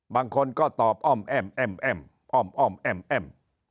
บางคนก็ตอบอ้อมแอ้มแอ้มแอ้มอ้อมอ้อมแอ้มแอ้ม